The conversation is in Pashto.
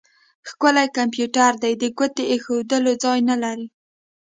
ښکلی کمپيوټر دی؛ د ګوتې د اېښول ځای نه لري.